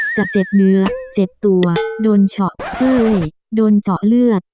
จะเจ็บเนื้อเจ็บตัวโดนเฉาะเต้ยโดนเจาะเลือด